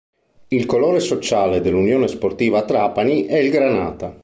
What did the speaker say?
Il colore sociale dell'Unione Sportiva Trapani è il granata